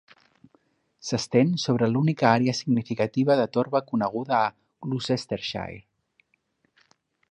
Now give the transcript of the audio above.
S'estén sobre l'única àrea significativa de torba coneguda a Gloucestershire.